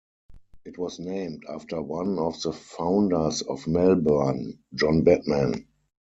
It was named after one of the founders of Melbourne, John Batman.